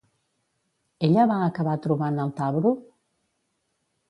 Ella va acabar trobant al Tabru?